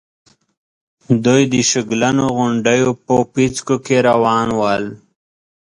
دوی د شګلنو غونډېو په پيڅکو کې روان ول.